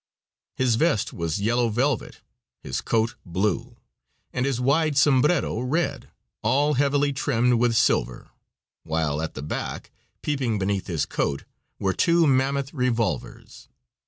His vest was yellow velvet, his coat blue, and his wide sombrero red, all heavily trimmed with silver, while at the back, peeping beneath his coat, were two mammoth revolvers.